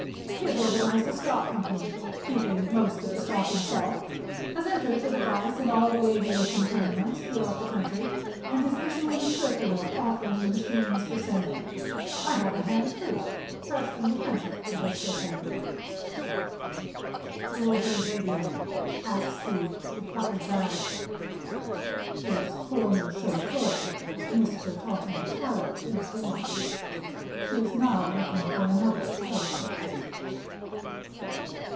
He has organized a stock company, keeping most of the stock himself, has entered his device in all the aviation tournaments throughout the country, and is issuing a circular offering the machines for sale. I have a hand proof, fresh from the printer, of this circular." "Who will be his aviator?" asked Steve, with puckered brows. "His former chauffeur, Mr. Totham Tyler, is one. He is now looking for another, also."